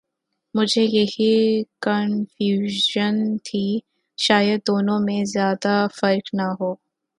مجھے یہی کنفیوژن تھی شاید دونوں میں زیادہ فرق نہ ہو۔۔